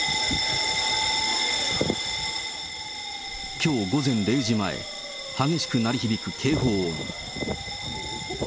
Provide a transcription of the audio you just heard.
きょう午前０時前、激しく鳴り響く警報音。